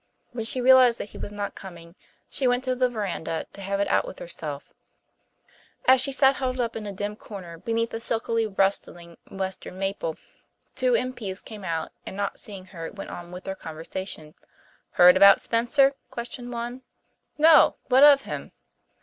When she realized that he was not coming she went to the verandah to have it out with herself. As she sat huddled up in a dim corner beneath a silkily rustling western maple two M.P.s came out and, not seeing her, went on with their conversation. "Heard about Spencer?" questioned one. "No. What of him?"